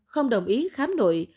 không đồng ý khám nội